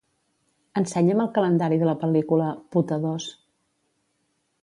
Ensenya'm el calendari de la pel·lícula "Puta II".